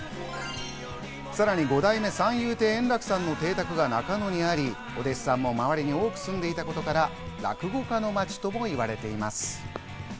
さらに五代目三遊亭円楽さんの邸宅が中野にあり、お弟子さんも周りに多く住んでいたことから、落語家の街ともいわれています。